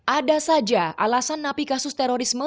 ada saja alasan napi kasus terorisme